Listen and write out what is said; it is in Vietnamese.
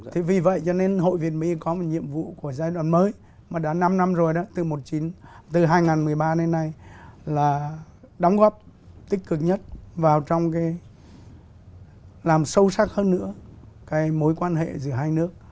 thế vì vậy cho nên hội việt my có một nhiệm vụ của giai đoạn mới mà đã năm năm rồi đó từ hai nghìn một mươi ba đến nay là đóng góp tích cực nhất vào trong cái làm sâu sắc hơn nữa cái mối quan hệ giữa hai nước